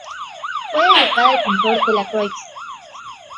Fue dedicada al pintor Delacroix.